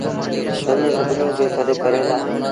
تڏهيݩ سڀنيوٚن کي سڏ ڪريݩ دآ